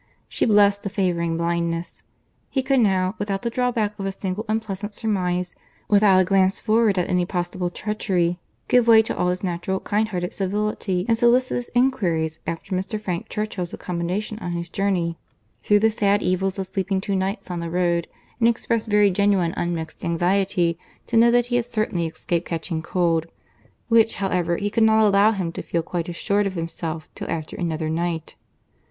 She blessed the favouring blindness. He could now, without the drawback of a single unpleasant surmise, without a glance forward at any possible treachery in his guest, give way to all his natural kind hearted civility in solicitous inquiries after Mr. Frank Churchill's accommodation on his journey, through the sad evils of sleeping two nights on the road, and express very genuine unmixed anxiety to know that he had certainly escaped catching cold—which, however, he could not allow him to feel quite assured of himself till after another night.